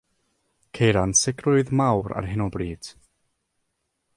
Ceir ansicrwydd mawr ar hyn o bryd.